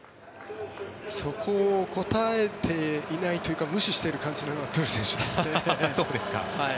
そこを答えていないというか無視している感じなのがトゥル選手ですね。